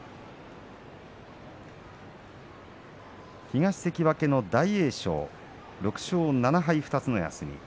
東関脇の大栄翔、６勝７敗２つの休み。